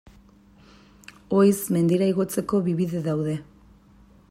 Oiz mendira igotzeko bi bide daude.